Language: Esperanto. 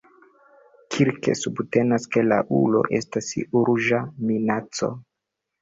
Kirk subtenas, ke la ulo estas urĝa minaco.